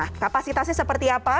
nah kapasitasnya seperti apa